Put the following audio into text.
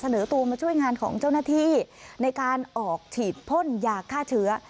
ตัวมาช่วยงานของเจ้าหน้าที่ในการออกฉีดพ่นยาฆ่าเชื้อ